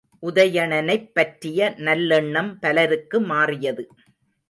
உதயணனைப் பற்றிய நல்லெண்ணம் பலருக்கு மாறியது.